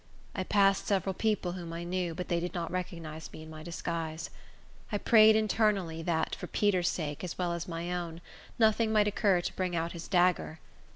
I passed several people whom I knew, but they did not recognize me in my disguise. I prayed internally that, for Peter's sake, as well as my own, nothing might occur to bring out his dagger.